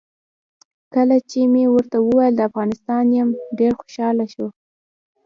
کله چې مې ورته وویل د افغانستان یم ډېر خوشاله شو.